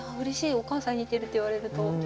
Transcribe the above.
お母さんに似てるって言われると。